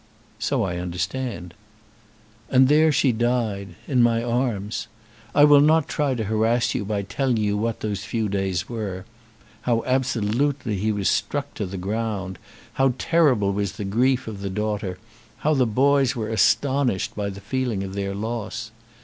"So I understand." "And there she died, in my arms. I will not try to harass you by telling you what those few days were; how absolutely he was struck to the ground, how terrible was the grief of the daughter, how the boys were astonished by the feeling of their loss.